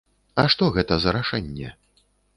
А што гэта за рашэнне?